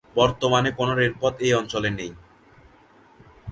বর্তমানে কোনো রেলপথ এই অঞ্চলে নেই।